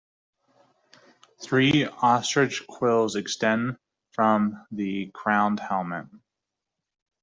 Three ostrich quills extend from the crowned helmet.